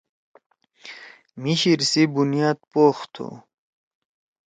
مھی شیِر سی بُنیاد پوخ تُھو۔